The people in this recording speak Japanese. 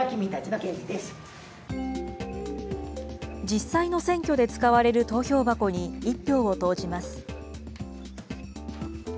実際の選挙で使われる投票箱に１票を投じます。